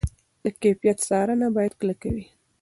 د کیفیت څارنه باید کلکه وي.